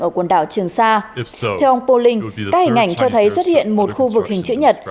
ở quần đảo trường sa theo ông polin các hình ảnh cho thấy xuất hiện một khu vực hình chữ nhật